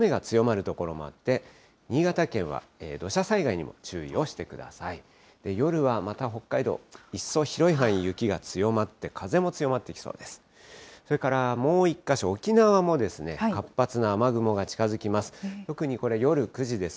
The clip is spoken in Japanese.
夜はまた北海道、一層広い範囲、雪が強まって、風も強まってきそうです。